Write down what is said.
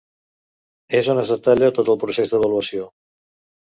És on es detalla tot el procés d'avaluació.